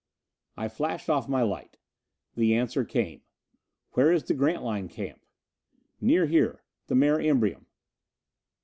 _" I flashed off my light. The answer came: "Where is the Grantline camp?" "_Near here. The Mare Imbrium.